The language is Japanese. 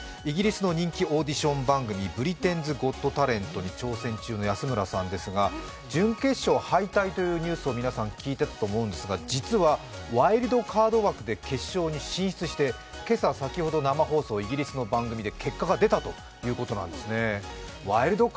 イギリスの人気オーディション番組「ブリテンズ・ゴット・タレント」に出演中の安村さんですが、準決勝敗退というニュースを皆さん聞いてたと思うんですが、実はワイルドカード枠で決勝に進出して今朝、先ほど生放送、イギリスの番組で結果が出たということなんですね。